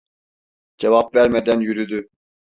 Cevap vermeden yürüdü.